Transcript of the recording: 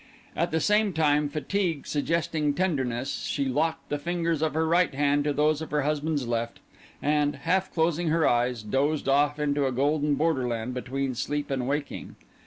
At the same time, fatigue suggesting tenderness, she locked the fingers of her right hand into those of her husband's left; and, half closing her eyes, dozed off into a golden borderland between sleep and waking.